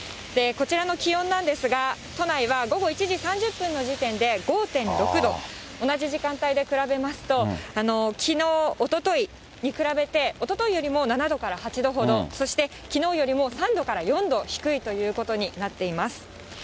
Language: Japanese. こちらの気温なんですが、都内は午後１時３０分の時点で５．６度、同じ時間帯で比べますと、きのう、おとといに比べて、おとといよりも７度から８度ほど、そして、きのうよりも３度から４度低いということになっています。